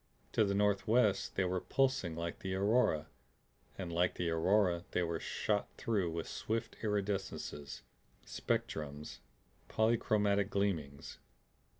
To the northwest they were pulsing like the aurora, and like the aurora they were shot through with swift iridescences, spectrums, polychromatic gleamings.